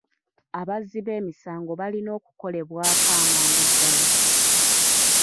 Abazzi b'emisango balina okukolebwako amangu ddaala.